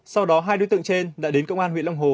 sau đó hai đối tượng trên đã đến công an huyện long hồ